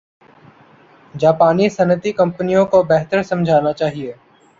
جاپانی صنعتی کمپنیوں کو بہتر سمجھنا چاہِیے